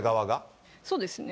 そうですね。